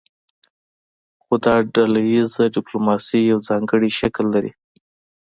خو دا ډله ایزه ډیپلوماسي یو ځانګړی شکل لري